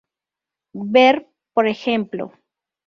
Ver, por ejemplo.